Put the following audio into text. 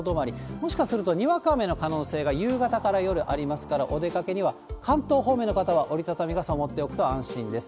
もしかするとにわか雨の可能性が夕方から夜ありますから、お出かけには関東方面の方は折り畳み傘を持っておくと安心です。